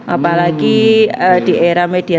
apalagi di era media